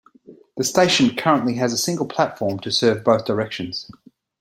The station currently has a single platform to serve both directions.